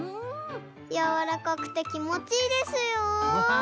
やわらかくてきもちいいですよ。